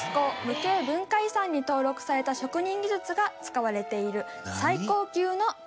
無形文化遺産に登録された職人技術が使われている最高級の着物です。